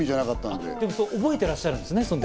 でも覚えてらっしゃるんですね。